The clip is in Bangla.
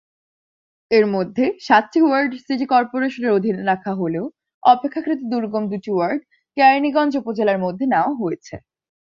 এর মধ্যে সাতটি ওয়ার্ড সিটি করপোরেশনের অধীনে রাখা হলেও অপেক্ষাকৃত দুর্গম দুটি ওয়ার্ড কেরানীগঞ্জ উপজেলার মধ্যে নেওয়া হয়েছে।